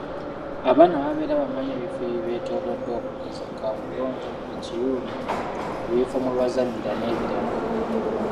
"Abaana babeera bamanyi ebifo ebibeetoolodde okugeza, kaabuyonjo, ekiyungu, ebifo mwe bazannyira n’ebirala."